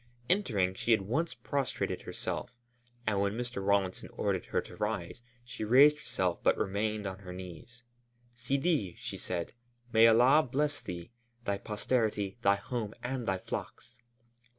Entering, she at once prostrated herself, and when Mr. Rawlinson ordered her to rise, she raised herself but remained on her knees. "Sidi," she said, "May Allah bless thee, thy posterity, thy home, and thy flocks!"